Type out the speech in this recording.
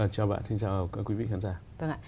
chào bạn xin chào quý vị khán giả